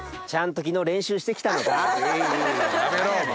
やめろお前！